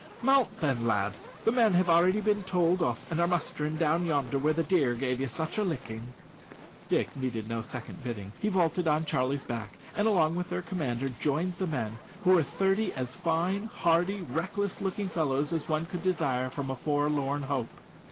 "Mount then, lad; the men have already been told off, and are mustering down yonder where the deer gave you such a licking." Dick needed no second bidding. He vaulted on Charlie's back, and along with their commander joined the men, who were thirty as fine, hardy, reckless looking fellows as one could desire for a forlorn hope.